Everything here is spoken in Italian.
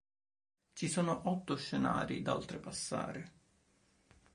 Ci sono otto scenari da oltrepassare.